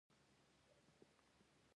نوی تګلوری پرمختګ تضمینوي